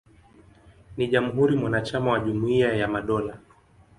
Ni jamhuri mwanachama wa Jumuiya ya Madola.